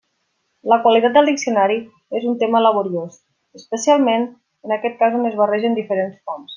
La qualitat del diccionari és un tema laboriós, especialment en aquest cas on es barregen diferents fonts.